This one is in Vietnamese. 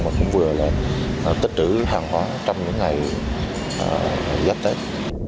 và cũng vừa lại tích chữ hàng hóa trong những ngày dắt tết